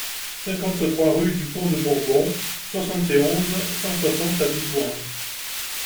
cinquante-trois rue du Pont de Bourbon, soixante et onze, cent soixante à Digoin